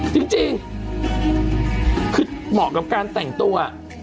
จริงคือเหมาะกับการแต่งตัว